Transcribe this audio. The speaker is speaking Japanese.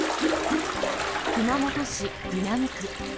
熊本市南区。